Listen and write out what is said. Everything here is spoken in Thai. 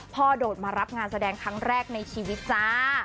โดดมารับงานแสดงครั้งแรกในชีวิตจ้า